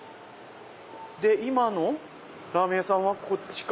で今のラーメン屋さんはこっちか。